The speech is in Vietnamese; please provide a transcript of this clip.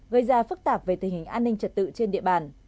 gây ra phức tạp về tình hình an ninh trật tự trên địa bàn